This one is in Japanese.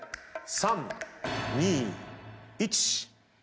３２１。